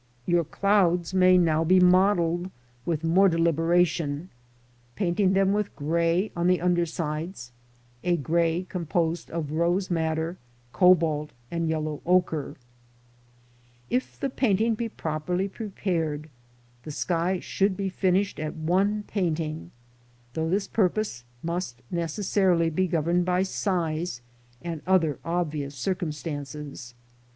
Your clouds may be now modelled with more deliberation, painting them with grey at the undersides — a grey composed of rose madder, cobalt and yellow ochre. (See chapter on "Skies," p. 64.) If the under painting be properly prepared, the sky should be finished at one painting, though this purpose must necessarily be governed by size and other obvious circumstances.